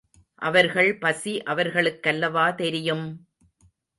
அவர்கள் பசி அவர்களுக்கல்லவா தெரியும்!